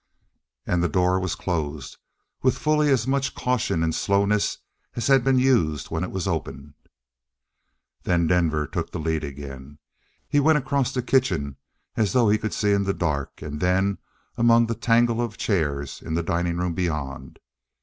And the door was closed with fully as much caution and slowness as had been used when it was opened. Then Denver took the lead again. He went across the kitchen as though he could see in the dark, and then among the tangle of chairs in the dining room beyond.